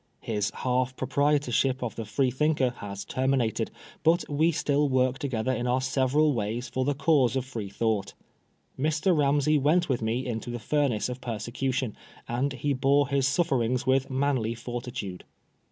His half proprietorship of the Freethinker has terminated, but we still work together in our several ways for the cause of Free thought. Mr. Ramsey went with me into the furnace of persecution, and he bore his sufferings with manly fortitude.